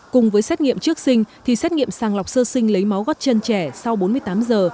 cùng với xét nghiệm trước sinh thì xét nghiệm sàng lọc sơ sinh lấy máu gót chân trẻ sau bốn mươi tám giờ